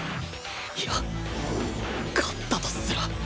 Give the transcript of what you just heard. いや勝ったとすら